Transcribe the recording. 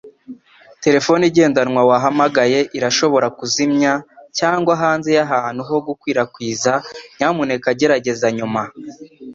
Terefone igendanwa wahamagaye irashobora kuzimya cyangwa hanze y'ahantu ho gukwirakwiza, nyamuneka gerageza nyuma.